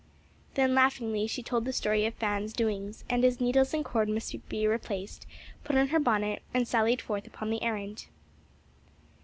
Then laughingly she told the story of Fan's doings, and as needles and cord must be replaced, put on her bonnet and sallied forth upon the errand.